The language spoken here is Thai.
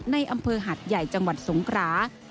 ในอำเภอหัดใหญ่จังหวัดสงครา